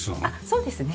そうですね。